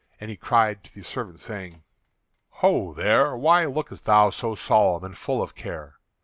And he cried to the servant, saying: "Ho, there! why lookest thou so solemn and full of care?